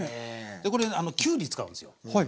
これきゅうり使うんですよ。